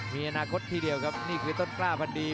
มีอนาคตทีเดียวครับนี่คือต้นกล้าพันดี